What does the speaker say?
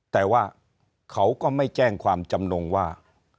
แต่ว่าเขาก็ไม่แจ้งความจำนงว่า